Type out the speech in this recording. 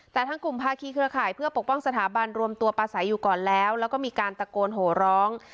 แต่ทั้งกลุ่มภาคีเครือข่ายเพื่อปกป้องสถาบันรวมตัวประสัยอยู่ก่อนแล้วแล้วก็มีการตะโกนโหร้อง